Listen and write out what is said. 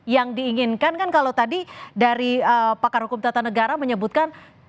yang diinginkan kan kalau tadi dari pakar hukum tata negara menyebutkan